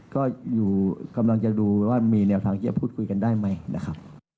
ก็อยู่กำลังจะดูว่ามีแนวทางที่จะพูดคุยกันได้ไหมนะครับ